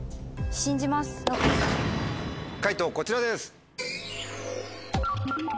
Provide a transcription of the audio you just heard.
解答こちらです。